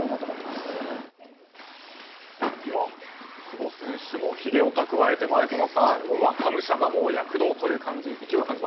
久保選手もひげを蓄えて前園さん、若武者が躍動という感じ